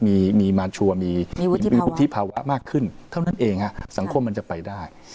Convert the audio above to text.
มีมาชัวร์มีวุฒิภาวะมากขึ้นเท่านั้นเองฮะสังคมมันจะไปได้